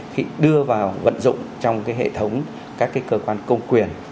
khi đưa vào vận dụng trong cái hệ thống các cái cơ quan công quyền